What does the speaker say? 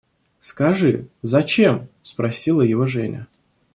– Скажи, зачем? – спросила его Женя.